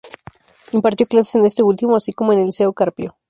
Impartió clases en este último, así como en el Liceo Carpio.